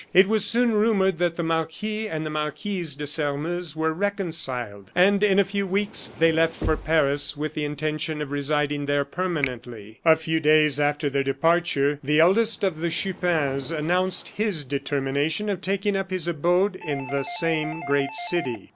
It was soon rumored that the Marquis and the Marquise de Sairmeuse were reconciled, and in a few weeks they left for Paris with the intention of residing there permanently. A few days after their departure, the eldest of the Chupins announced his determination of taking up his abode in the same great city.